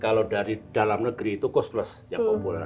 kalau dari dalam negeri itu cosplus yang populer